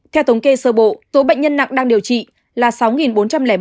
hai theo tống kê sơ bộ số bệnh nhân nặng đang điều trị là sáu bốn trăm linh bảy ca